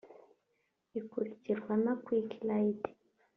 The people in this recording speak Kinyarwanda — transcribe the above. ikurikirwa na Quick Ride